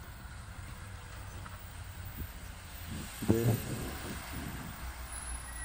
Fort Yates fait partie de la réserve indienne de Standing Rock.